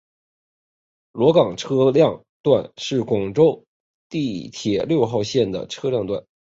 萝岗车辆段是广州地铁六号线的车辆段。